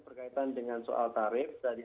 berkaitan dengan soal tarif tadi